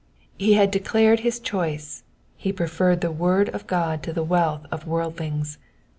Ho had declared his choice : he preferred the word of God to the wealth of worldlings.